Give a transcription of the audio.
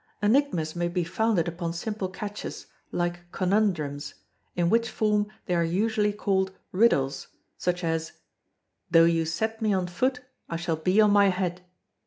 Enigmas may be founded upon simple catches, like Conundrums, in which form they are usually called RIDDLES, such as: "Though you set me on foot, I shall be on my head."